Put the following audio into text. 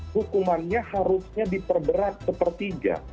hukumannya harusnya diperberat sepertiga